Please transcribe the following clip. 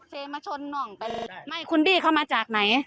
เซมาชนน้องไปเลยไม่คุณบี้เข้ามาจากไหน